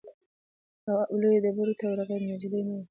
تواب لویو ډبرو ته ورغی نجلۍ نه وه.